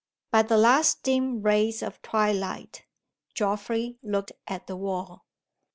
By the last dim rays of twilight, Geoffrey looked at the wall.